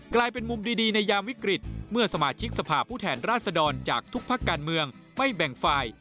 กลายเป็นมุมดีในยามวิกฤตเมื่อสมาชิกสภาพผู้แทนราชดรจากทุกภาคการเมืองไม่แบ่งฝ่าย